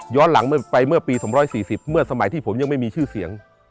หลังไปเมื่อปี๒๔๐เมื่อสมัยที่ผมยังไม่มีชื่อเสียง